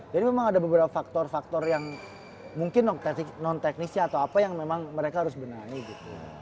jadi memang ada beberapa faktor faktor yang mungkin non teknisnya atau apa yang memang mereka harus benangi gitu